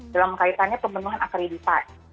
dalam kaitannya pembentuhan akreditasi